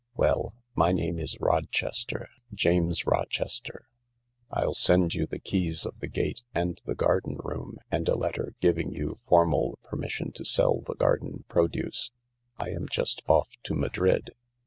Well, my name is Rochester— James Rochester. I'll send you the keys of the gate and the garden room, and a letter giving you formal permission to sell the garden produce. I am just off to Madrid.